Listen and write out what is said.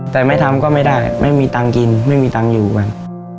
แต่ไม่ทำก็ไม่ได้ไม่มีตังค์กินไม่มีตังค์อยู่กัน